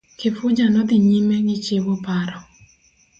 Kifuja nodhi nyime gichiwo paro.